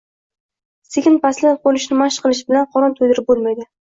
sekin pastlab qo‘nishni mashq qilish bilan qorin to‘ydirib bo‘lmaydi.